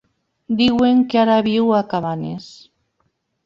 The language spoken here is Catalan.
Diuen que ara viu a Cabanes.